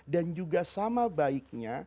dan juga sama baiknya